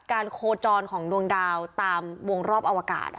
โคจรของดวงดาวตามวงรอบอวกาศ